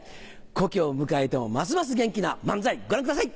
古希を迎えてもますます元気な漫才ご覧ください！